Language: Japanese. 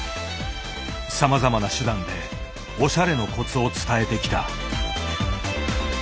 さまざまな手段でおしゃれのコツを伝えてきた。